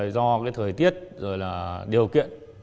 do thời tiết điều kiện